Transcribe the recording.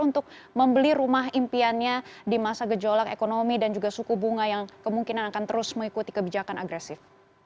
untuk membeli rumah impiannya di masa gejolak ekonomi dan juga suku bunga yang kemungkinan akan terus mengikuti kebijakan agresif